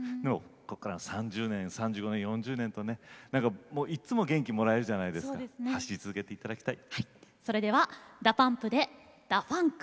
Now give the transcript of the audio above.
ここから３０年３５年４０年といつも元気をもらえるじゃないですか走り続けていただきたい。